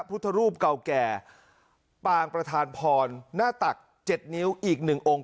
พุทธรูปเก่าแก่ปางประธานพรหน้าตัก๗นิ้วอีก๑องค์